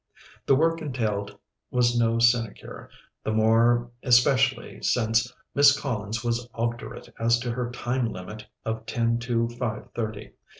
The work entailed was no sinecure, the more especially since Miss Collins was obdurate as to her time limit of ten to five thirty.